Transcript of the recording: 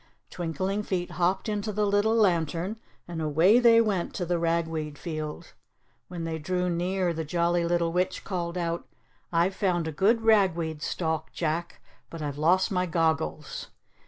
Twinkling Feet hopped into the little lantern, and away they went to the ragweed field. When they drew near the Jolly Little Witch called out, "I've found a good ragweed stalk, Jack, but I've lost my goggles.